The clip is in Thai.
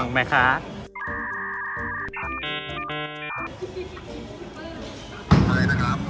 ก็มีบ้างปรากลายแล้ว